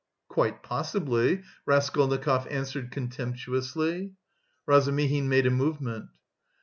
"Quite possibly," Raskolnikov answered contemptuously. Razumihin made a movement.